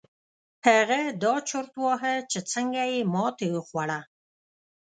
هغه دا چورت واهه چې څنګه يې ماتې وخوړه.